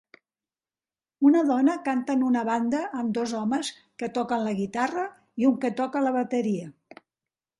Una dona canta en una banda amb dos homes que toquen la guitarra i un que toca la bateria.